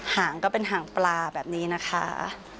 หางก็เป็นหางปลาแบบนี้นะคะ